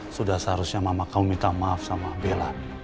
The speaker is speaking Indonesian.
sudah seharusnya mama kau minta maaf sama bella